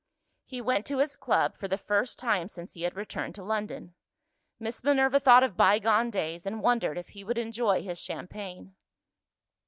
He went to his club, for the first time since he had returned to London. Miss Minerva thought of bygone days, and wondered if he would enjoy his champagne.